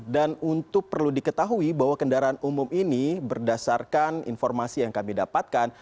dan untuk perlu diketahui bahwa kendaraan umum ini berdasarkan informasi yang kami dapatkan